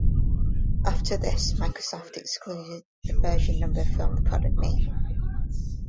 After this Microsoft excluded the version number from the product name.